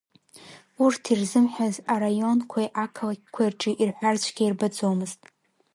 Урҭ ирзымҳәаз араионқәеи ақалақьқәеи рҿы ирҳәар цәгьа ирбаӡомызт.